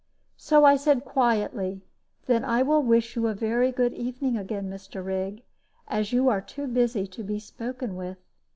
So I quietly said, "Then I will wish you a very good evening again, Mr. Rigg, as you are too busy to be spoken with."